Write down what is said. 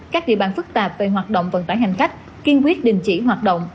các địa bàn phức tạp về hoạt động vận tải hành khách kiên quyết đình chỉ hoạt động